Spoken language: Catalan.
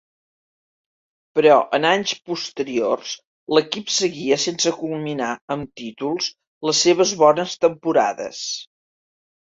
Però en anys posteriors l'equip seguia sense culminar amb títols les seves bones temporades.